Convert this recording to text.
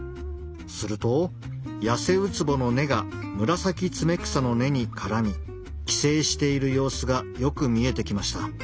するとヤセウツボの根がムラサキツメクサの根に絡み寄生している様子がよく見えてきました。